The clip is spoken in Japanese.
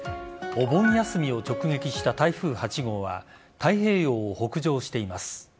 お盆休みを直撃した台風８号は太平洋を北上しています。